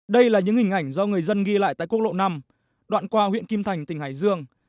đây là những hình ảnh do người dân ghi lại tại quốc lộ năm đoạn qua huyện kim thành tỉnh hải dương